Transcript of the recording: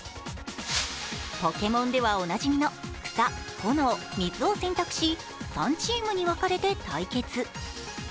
ポケモンではおなじみのくさ、ほのお、みずを選択し３チームに分かれて対決。